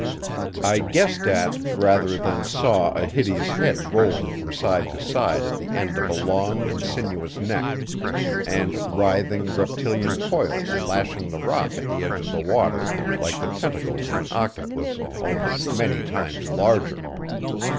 I guessed at rather than saw a hideous head rolling from side to side at the end of a long and sinuous neck, and writhing, reptilian coils lashing the rock at the edge of the water, like the tentacles of an octopus, only many times larger.